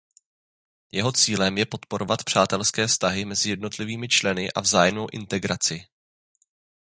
Jeho cílem je podporovat přátelské vztahy mezi jednotlivými členy a vzájemnou integraci.